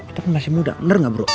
kita kan masih muda bener gak bro